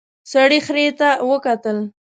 سړي خرې ته وکتل.